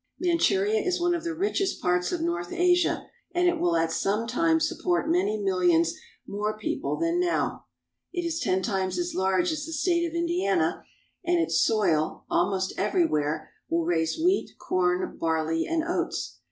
Manchuria is one of the richest parts of North Asia, and it will at some time support many millions more Manchurian Millet. people than now. It is ten times as large as the state of Indiana, and its soil, almost everywhere, will raise wheat, corn, barley, and oats.